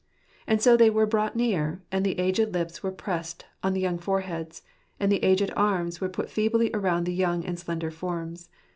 And so they were brought near, and the aged lips were pressed on the young foreheads, and the aged arms were put feebly around the young and slender forms.